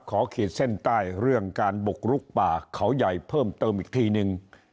ขีดเส้นใต้เรื่องการบุกลุกป่าเขาใหญ่เพิ่มเติมอีกทีนึง